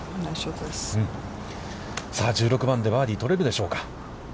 さあ１６番でバーディー取れるでしょうか。